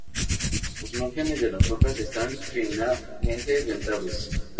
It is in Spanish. Los márgenes de las hojas están finamente dentados.